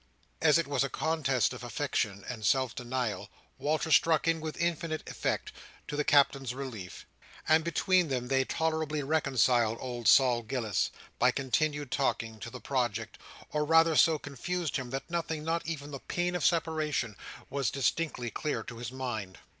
As it was a contest of affection and self denial, Walter struck in with infinite effect, to the Captain's relief; and between them they tolerably reconciled old Sol Gills, by continued talking, to the project; or rather so confused him, that nothing, not even the pain of separation, was distinctly clear to his mind.